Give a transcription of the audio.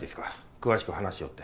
詳しく話をって。